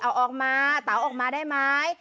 เอาออกมาเต๋าออกมาได้ไหม